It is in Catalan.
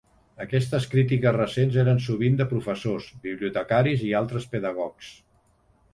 Aquestes crítiques recents eren sovint de professors, bibliotecaris i altres pedagogs.